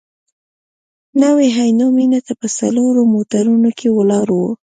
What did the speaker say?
نوي عینو مېنې ته په څلورو موټرونو کې ولاړو.